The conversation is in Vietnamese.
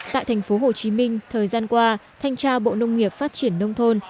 tại thành phố hồ chí minh thời gian qua thanh tra bộ nông nghiệp phát triển nông thôn